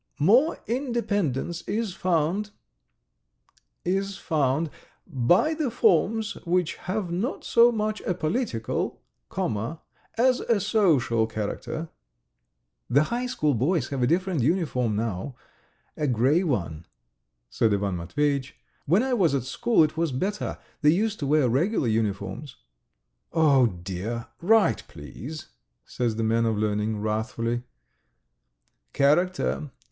... More independence is found ... is found ... by the forms which have not so much a political ... comma ... as a social character .." "The high school boys have a different uniform now ... a grey one," said Ivan Matveyitch, "when I was at school it was better: they used to wear regular uniforms." "Oh dear, write please!" says the man of learning wrathfully. "Character